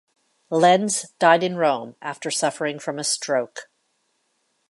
Lenz died in Rome, after suffering from a stroke.